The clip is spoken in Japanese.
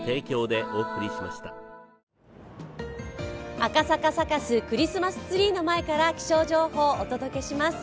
赤坂サカス、クリスマスツリーの前から気象情報、お伝えします。